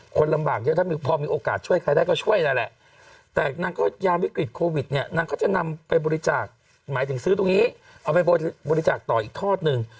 คนลำบากเยอะถ้าพอมีโอกาสช่วยใครได้ก็ช่วยนั่นแหละแต่นางก็ยามวิกฤตโควิดเนี่ยนางก็จะนำไปบริจาคหมายถึงซื้อตรงนี้เอาไปบริจาคต่ออีกทอดหนึ่ง